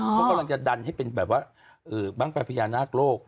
เขากำลังจะดันให้เป็นแบบว่าบ้างไฟพญานาคโลก